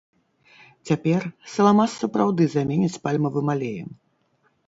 Цяпер саламас сапраўды заменяць пальмавым алеем.